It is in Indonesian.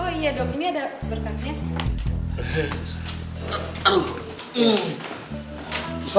oh iya dok ini ada berkasnya